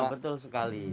ya betul sekali